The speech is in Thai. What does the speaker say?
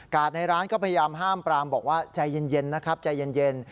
ในร้านก็พยายามห้ามปรามบอกว่าใจเย็นนะครับใจเย็น